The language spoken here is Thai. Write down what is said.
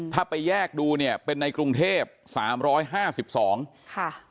ถ้าไปแยกดูเนี่ยเป็นในกรุงเทพฯ๓๕๒ค่ะ